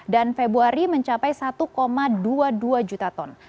dan februari mencapai satu dua puluh dua juta ton